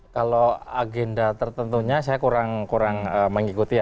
kalau agenda tertentunya saya kurang kurang mengikuti ya